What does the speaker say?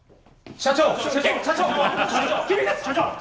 社長！